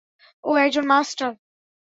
ও একজন মাস্টার।